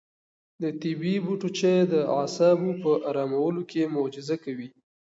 د طبیعي بوټو چای د اعصابو په ارامولو کې معجزه کوي.